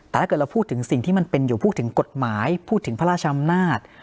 แต่ถ้าเกิดเราพูดถึงสิ่งที่มันเป็นอยู่พูดถึงกฎหมายพูดถึงพระราชอำนาจ